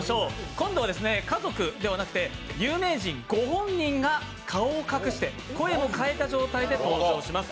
今度は家族ではなくて有名人ご本人が顔を隠して、声も変えた状態で登場します。